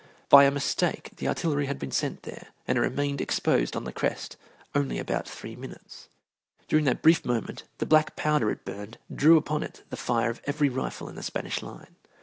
By a mistake, the artillery had been sent there, and it remained exposed on the crest only about three minutes. During that brief moment the black powder it burned drew upon it the fire of every rifle in the Spanish line.